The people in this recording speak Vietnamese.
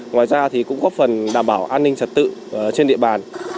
ngoài ra thì cũng góp phần đảm bảo an ninh trật tự trên địa bàn